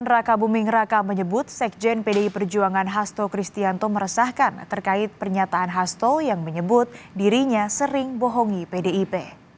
raka buming raka menyebut sekjen pdi perjuangan hasto kristianto meresahkan terkait pernyataan hasto yang menyebut dirinya sering bohongi pdip